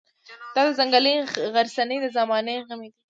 دا د ځنګلي غرڅنۍ د زمانې غمی دی.